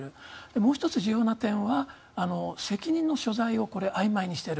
もう１つ重要な点は責任の所在をあいまいにしている。